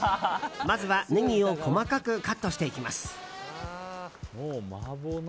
まずはネギを細かくカットしていきます。